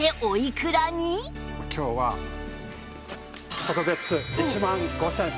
今日は特別１万５０００円！